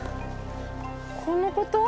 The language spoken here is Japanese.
このこと？